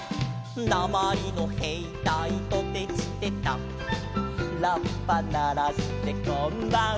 「なまりのへいたいトテチテタ」「ラッパならしてこんばんは」